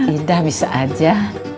ida bisa aja